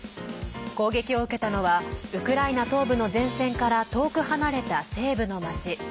攻撃を受けたのはウクライナ東部の前線から遠く離れた西部の町。